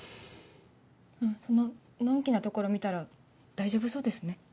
そののんきなところ見たら大丈夫そうですね。